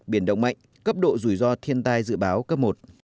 biển động mạnh cấp độ rủi ro thiên tai dự báo cấp một